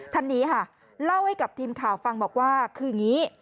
ท่านนี้ค่ะเล่าให้กับทีมข่าวฟังบอกว่าคืออย่างนี้